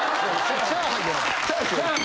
チャーハンじゃない。